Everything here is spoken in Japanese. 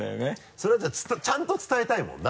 それはだってちゃんと伝えたいもんな。